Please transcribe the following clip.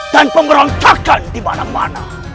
dan pemberontakan di mana mana